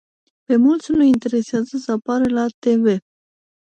Pe mulți nu îi interesează să apară la te ve.